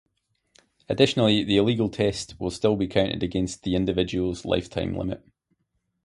Additionally, the illegal test will still be counted against the individual's lifetime limit.